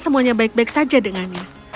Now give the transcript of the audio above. semuanya baik baik saja dengannya